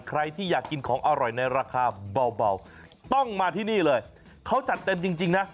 ใครที่อยากกินของอร่อยในราคาเบาต้องมาที่นี่เลยเขาจัดเต็มจริงนะ